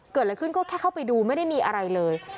เกิดอะไรขึ้นก็แค่เข้าไปดูไม่ได้มีอะไรเลย